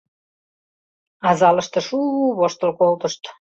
А залыште шу-у-у воштыл колтышт.